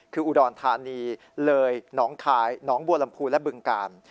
คืออุดรธานีเลยหนองคายหนองบัวลำพูและบึงกาล